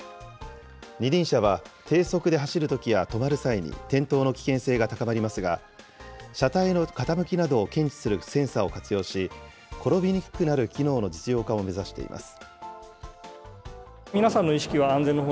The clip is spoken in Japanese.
二輪車は低速で走るときや止まる際に転倒の危険性が高まりますが、車体の傾きなどを検知するセンサーを活用し、転びにくくなる機能の実用化を目指しています。